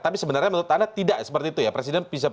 tapi sebenarnya menurut anda tidak seperti itu ya presiden bisa